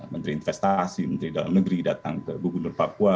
menteri investasi menteri dalam negeri datang ke gubernur papua